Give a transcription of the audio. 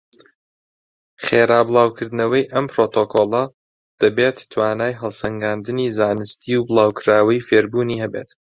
خێرا بڵاوکردنەوەی ئەم پڕۆتۆکۆڵە دەبێت توانای هەڵسەنگاندنی زانستی و بڵاوکراوەی فێربوونی هەبێت.